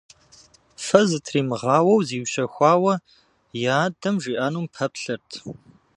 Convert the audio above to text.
Фэ зытримыгъауэу зиущэхуауэ и адэм жиӏэнум пэплъэрт.